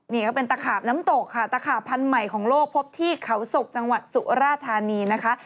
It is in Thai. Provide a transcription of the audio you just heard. นี่ก็เป็นตะขาบน้ำตกค่ะตะขาบพันธุ์ใหม่ของโลกพบที่เขาศกจังหวัดสุราธานีนะคะ